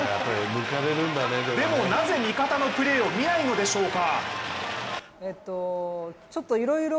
でも、なぜ味方のプレーを見ないのでしょうか。